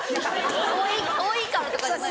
遠い遠いからとかじゃない。